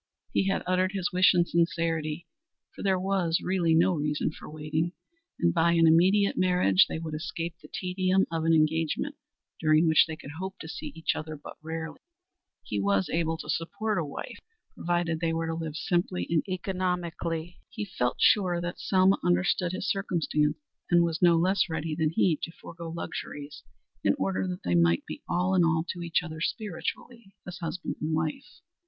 He had uttered his wish in sincerity, for there was really no reason for waiting, and by an immediate marriage they would escape the tedium of an engagement during which they could hope to see each other but rarely. He was able to support a wife provided they were to live simply and economically. He felt sure that Selma understood his circumstances and was no less ready than he to forego luxuries in order that they might be all in all to each other spiritually as husband and wife.